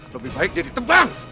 lebih baik dia ditebang